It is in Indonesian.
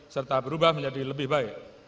serta berubah menjadi lebih baik